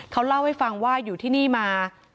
เขาเล่าให้ฟังว่าอยู่ที่นี่มา